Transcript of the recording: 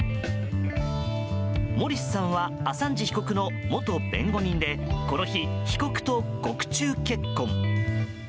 モリスさんはアサンジ被告の元弁護人でこの日、被告と獄中結婚。